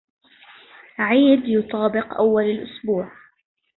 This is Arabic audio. عيد يطابق أول الأسبوع